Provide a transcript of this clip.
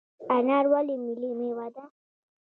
انار ولې ملي میوه ده؟